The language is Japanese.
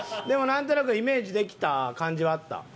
でもなんとなくイメージできた感じはあった。